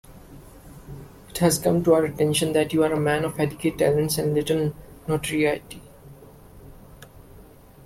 It has come to our attention that you are a man of adequate talents and little notoriety.